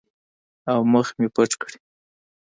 او مخ مې پټ کړي.